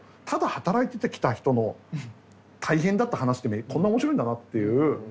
ただ働いてきた人の大変だった話ってこんな面白いんだなっていう。